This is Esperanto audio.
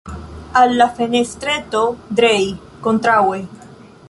Al la fenestreto drei, kontraŭe.